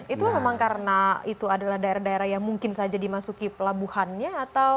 itu memang karena itu adalah daerah daerah yang mungkin saja dimasuki pelabuhannya